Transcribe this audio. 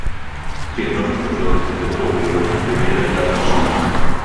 כי הן לא מתקבלות כרטוריות ומייד הקהל משיב